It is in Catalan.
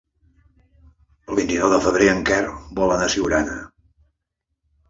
El vint-i-nou de febrer en Quer vol anar a Siurana.